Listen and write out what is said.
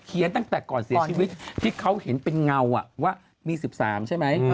ตั้งแต่ก่อนเสียชีวิตที่เขาเห็นเป็นเงาว่ามี๑๓ใช่ไหม